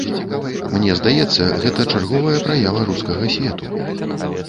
Мне здаецца, гэта чарговая праява рускага свету.